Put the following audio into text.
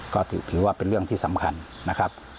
ก็ถือว่าเป็นเรื่องที่สำคัญนะครับ